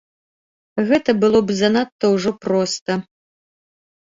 Гэта было б занадта ўжо проста.